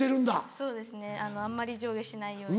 そうですねあんまり上下しないように。